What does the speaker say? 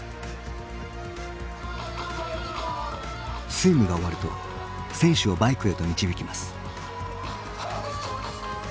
スイムが終わると選手をバイクへと導きます。